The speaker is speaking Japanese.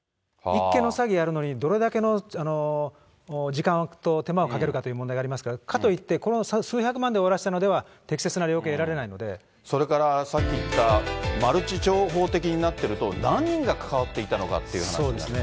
１件の詐欺やるのに、どれだけの時間と手間をかけるかという問題がありますから、かといってこの数百万で終わらせたのでは、適切な量刑が得られなそれから、さっき言った、マルチ商法的になっていると、何人が関わっていたのかっていう話そうですね。